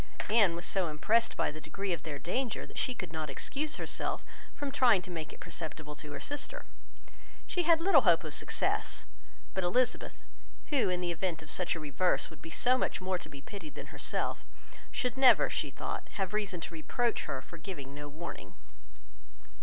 Anne was so impressed by the degree of their danger, that she could not excuse herself from trying to make it perceptible to her sister. She had little hope of success; but Elizabeth, who in the event of such a reverse would be so much more to be pitied than herself, should never, she thought, have reason to reproach her for giving no warning.